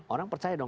orang percaya dong